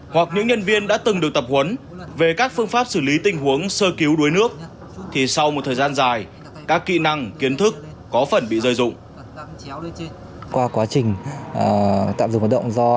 hoặc những nhân viên đã từng được tập huấn về các phương pháp xử lý tình huống sơ cứu đuối nước thì sau một thời gian dài các kỹ năng kiến thức có phần bị rơi rụng